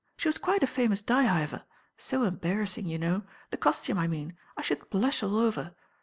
She wai quite a famous digh hiver. So embarrauing, you know. The costume I mean. I ihould blush all over."